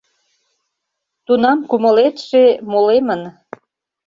Тунам кумылетше, молемын